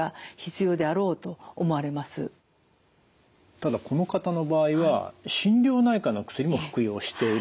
ただこの方の場合は心療内科の薬も服用している。